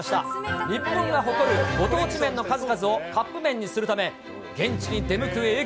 日本が誇るご当地麺の数々をカップ麺にするため、現地に出向く営業。